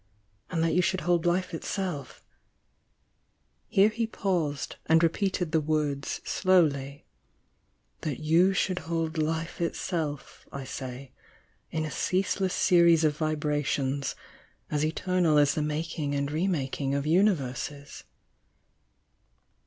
— and that you should hold life itself" — here he paused, and repeated the words slowly — "that you should hold life itself, I say, in a ceaseless series of vibrations as eternal as the making and re mak ing of universes?"